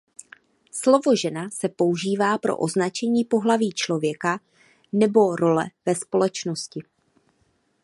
Slovo žena se používá pro označení pohlaví člověka nebo role ve společnosti.